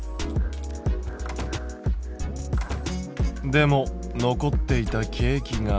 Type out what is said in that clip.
でも残っていたケーキが。